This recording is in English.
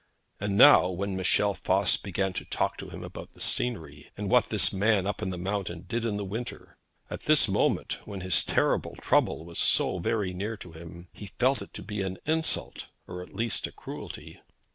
And now when Michel Voss began to talk to him about the scenery, and what this man up in the mountain did in the winter, at this moment when his terrible trouble was so very near him, he felt it to be an insult, or at least a cruelty.